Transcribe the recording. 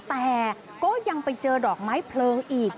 แต่ก็ยังไปเจอดอกไม้เพลิงอีก